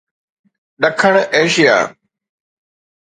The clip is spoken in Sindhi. ڏکڻ ايشيا